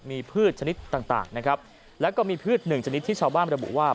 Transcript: มีพืชชนิดต่างนะครับแล้วก็มีพืชหนึ่งชนิดที่ชาวบ้านระบุว่า